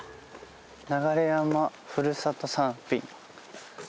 「流山ふるさと産品」。